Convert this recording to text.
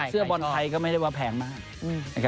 เสื้อบอลไทยก็ไม่ได้ว่าแพงมาก